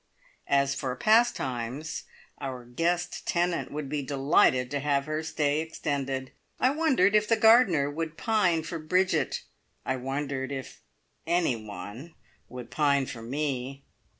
As for "Pastimes" our guest tenant would be delighted to have her stay extended. I wondered if the gardener would pine for Bridget! I wondered if anyone would pine for me!